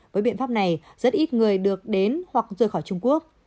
với biện pháp này rất ít người được đến hoặc rời khỏi trung quốc